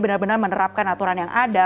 benar benar menerapkan aturan yang ada